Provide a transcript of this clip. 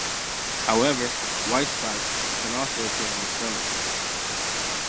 However, white spots can also appear on the stomach.